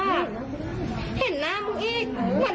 เห็นหน้ามึงอีกเหมือนดูรูปมึงแล้วแบบนั้น